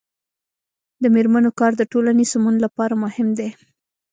د میرمنو کار د ټولنې سمون لپاره مهم دی.